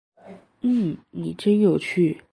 嗯，您真有趣